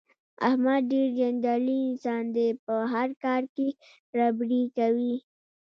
احمد ډېر جنجالي انسان دی په هر کار کې ربړې کوي.